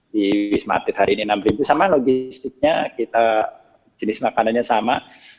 di wisma atlet hari ini enam ribu sama logistiknya kita jenis makanannya sama